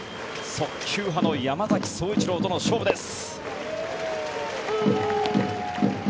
速球派の山崎颯一郎との勝負です。